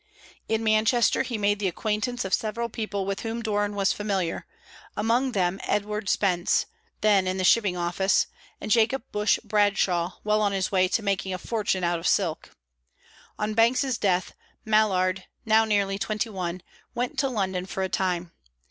In Manchester he made the acquaintance of several people with whom Doran was familiar, among them Edward Spence, then in the shipping office, and Jacob Bush Bradshaw, well on his way to making a fortune out of silk. On Banks's death, Mallard, now nearly twenty one, went to London for a time.